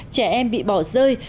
trẻ em bị bỏ rơi